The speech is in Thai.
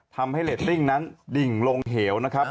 ทำให้เรตติ้งนั้นดิ่งลงเหวนะครับ